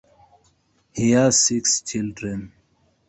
He has six children.